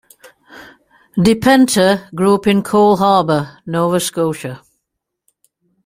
DiPenta grew up in Cole Harbour, Nova Scotia.